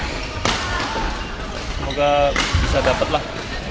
semoga bisa dapat lah